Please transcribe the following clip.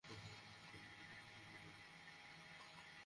আসো, পুত্র।